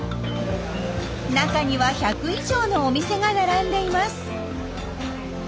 中には１００以上のお店が並んでいます。